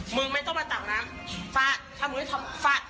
มึงไม่ต้องมาต่างน้ำฟาดทำให้มึงทำฟาด